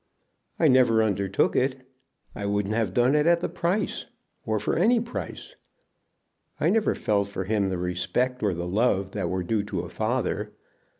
"I never undertook it. I wouldn't have done it at the price, or for any price. I never felt for him the respect or the love that were due to a father.